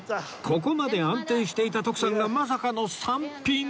ここまで安定していた徳さんがまさかの３ピン